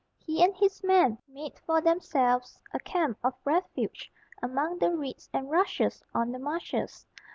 He and his men made for themselves a "Camp of Refuge" among the reeds and rushes on the marshes.